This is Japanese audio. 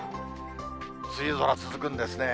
梅雨空続くんですね。